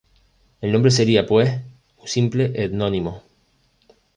El nombre sería, pues, un simple etnónimo.